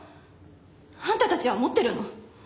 あんたたちは持ってるの？